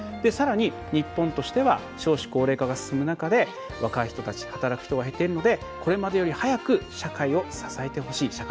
さらに日本としては少子高齢化が進む中で若い人たち働く人が減っているのでこれまでより早く社会を支えてほしい。